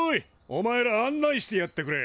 お前ら案内してやってくれ。